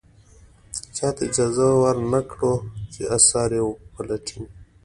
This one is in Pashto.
چاته اجازه ور نه کړو چې اثار و پلټنې.